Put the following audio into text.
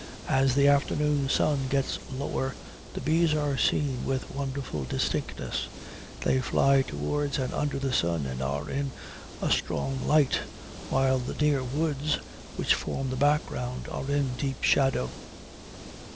As the afternoon sun gets lower, the bees are seen with wonderful distinctness. They fly toward and under the sun, and are in a strong light, while the near woods which form the background are in deep shadow.